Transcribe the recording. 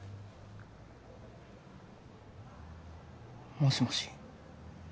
もしもし？